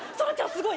すごい。